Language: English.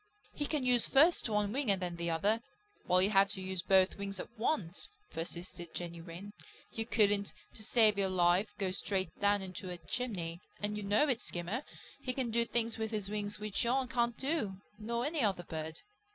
"He can use first one wing and then the other, while you have to use both wings at once," persisted Jenny Wren. "You couldn't, to save your life, go straight down into a chimney, and you know it, Skimmer. He can do things with his wings which you can't do, nor any other bird."